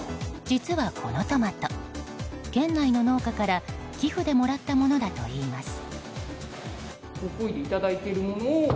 実はこのトマト、県内の農家から寄付でもらったものだといいます。